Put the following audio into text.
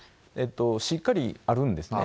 しっかりあるんですね。